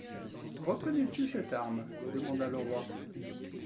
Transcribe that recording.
Reconnais-tu cette arme ? demanda le roi.